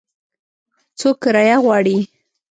څو کرایه غواړي ؟